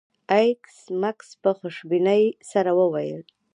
ایس میکس په خوشبینۍ سره وویل